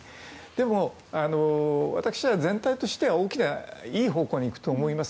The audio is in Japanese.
でも、私は全体としては大きないい方向に行くと思います。